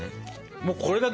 もうこれだけ？